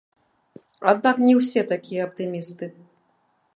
Аднак не ўсе такія аптымісты.